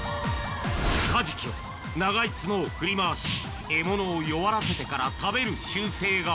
カジキは長い角を振り回し、獲物を弱らせてから食べる習性が。